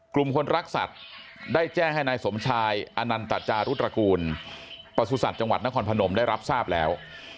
กลุ่มคนรักสัตว์ได้แจ้งให้นายสมชายอนันตจารุตรกูลประสุทธิ์จังหวัดนครพนมได้รับทราบแล้ว